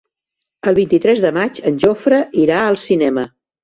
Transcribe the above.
El vint-i-tres de maig en Jofre irà al cinema.